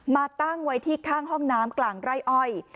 มาตั้งไว้ที่ข้างห้องน้ำกลางไร่อ้อย